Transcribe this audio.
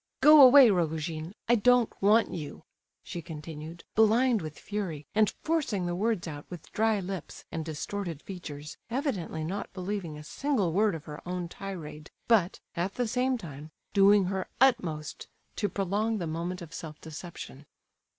Go away, Rogojin, I don't want you," she continued, blind with fury, and forcing the words out with dry lips and distorted features, evidently not believing a single word of her own tirade, but, at the same time, doing her utmost to prolong the moment of self deception.